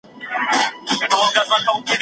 هغې راته وویل چي نن ډېره خوشحاله ده.